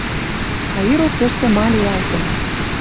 А ирок тӹштӹ ма лиӓлтӹн